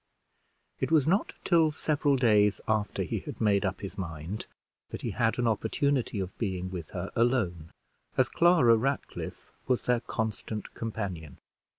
It was not till several days after he had made up his mind that he had an opportunity of being with her alone, as Clara Ratcliffe was their constant companion.